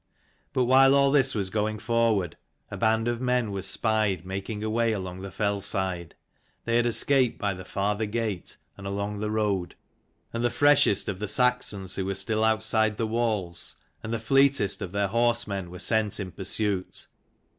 But while all this was going forward, a band of men was spied making away along the fell side. They had escaped by the farther gate and along the road ; and the freshest of the Saxons who were still outside the walls, and the fleetest of their horsemen, were sent in pursuit.